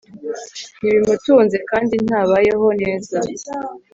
ntibimutunze kandi ntabayeho neza